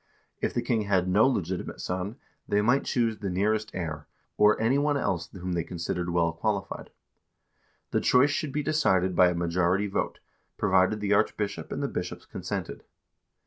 If the king had no legitimate son, they might choose the nearest heir, or any one else whom they considered well qualified. The choice should be decided by a majority vote, provided the archbishop and the bishops consented.